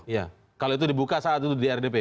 ya kalau itu dibuka saat itu di rdp